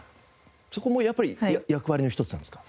そこもやっぱり役割の一つなんですか？